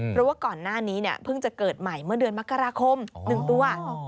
เพราะว่าก่อนหน้านี้เนี่ยเพิ่งจะเกิดใหม่เมื่อเดือนมกราคม๑ตัว